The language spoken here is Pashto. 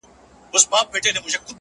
توره’ لونگينه’ تکه سپينه ياره’